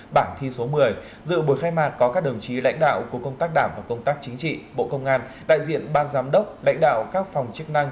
bảng thi số một mươi dự buổi khai mạc có các đồng chí lãnh đạo của công tác đảng và công tác chính trị bộ công an đại diện ban giám đốc lãnh đạo các phòng chức năng